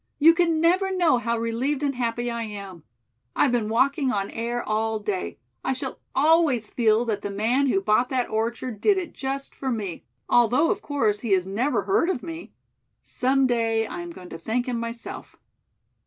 "You can never know how relieved and happy I am. I've been walking on air all day. I shall always feel that the man who bought that orchard did it just for me, although of course he has never heard of me. Some day I am going to thank him, myself."